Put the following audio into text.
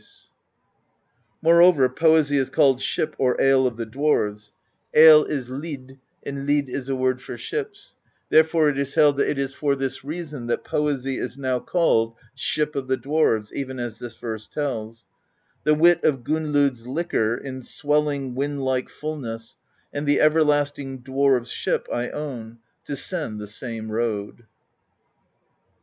THE POESY OF SKALDS 107 Moreover, poesy is called Ship or Ale of the Dwarves: ale is //J, and lid is a word for ships; therefore it is held that it is for this reason that poesy is now called Ship of the Dwarves, even as this verse tells: The wit of Gunnlod's Liquor In swelling wind like fullness, And the everlasting Dwarves' Ship I own, to send the same road.